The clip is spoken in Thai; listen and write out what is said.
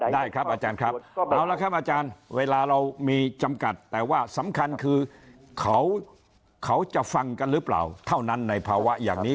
ได้ครับอาจารย์ครับเอาละครับอาจารย์เวลาเรามีจำกัดแต่ว่าสำคัญคือเขาจะฟังกันหรือเปล่าเท่านั้นในภาวะอย่างนี้